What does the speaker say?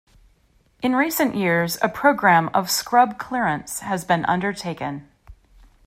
In recent years a programme of scrub clearance has been undertaken.